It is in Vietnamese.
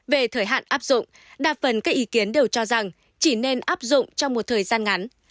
về thời hạn áp dụng đa phần các ý kiến đều cho rằng chỉ nên áp dụng trong một thời gian ngắn